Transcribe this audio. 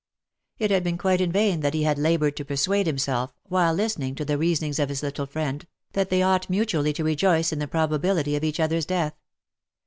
It had been quite in vain that he had laboured to persuade himself, while listening to the rea sonings of his little friend, that they ought mutually to rejoice in the probability of each other's death.